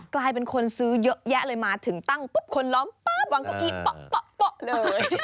กลายเป็นคนซื้อเยอะแยะเลยมาถึงตั้งปุ๊บคนล้อมป๊าบวางเก้าอี้เป๊ะเลย